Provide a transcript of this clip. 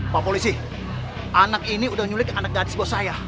pak polisi anak ini udah nyulik anak gadis bos saya